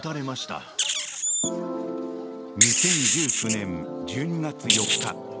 ２０１９年１２月４日